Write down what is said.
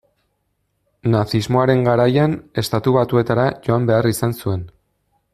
Nazismoaren garaian Estatu Batuetara joan behar izan zuen.